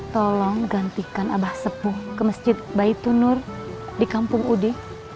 tolong gantikan abah sepuh ke mesjid baitunur di kampung ude